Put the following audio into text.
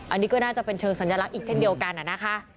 อันนี้ก็จะน่าจะเฉลิงสัญลักษณ์อีกเช่นเดียวกัน